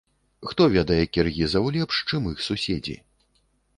Хто ведае кіргізаў лепш, чым іх суседзі.